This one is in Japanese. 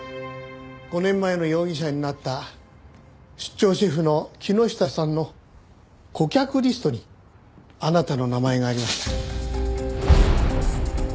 ５年前の容疑者になった出張シェフの木下さんの顧客リストにあなたの名前がありました。